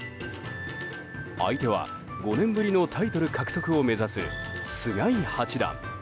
相手は５年ぶりのタイトル獲得を目指す菅井八段。